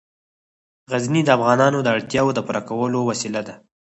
غزني د افغانانو د اړتیاوو د پوره کولو وسیله ده.